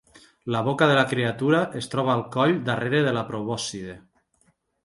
La boca de la criatura es troba al coll darrere de la probòscide.